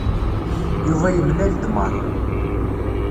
Yuba yemlal-d Mary.